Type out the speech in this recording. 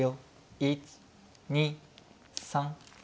１２３。